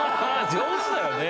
上手だよね